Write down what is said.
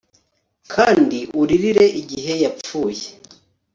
Kandi uririre igihe yapfuye